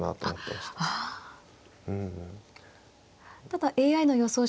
ただＡＩの予想